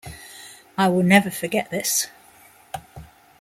I will never forget this.